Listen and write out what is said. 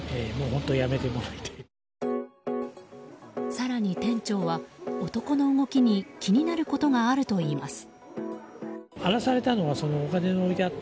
更に店長は、男の動きに気になることがあるといいます。